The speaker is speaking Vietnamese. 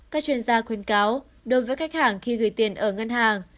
các chuyên gia khuyên cáo đối với khách hàng khi gửi tiền ở ngân hàng